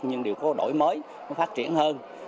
nhưng đều có đổi mới phát triển hơn